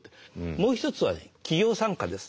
もう一つは企業参加です。